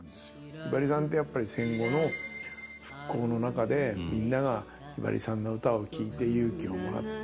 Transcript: ひばりさんってやっぱり戦後の復興の中でみんながひばりさんの歌を聴いて勇気をもらって。